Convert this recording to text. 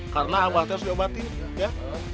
karena abah harus diobatin ya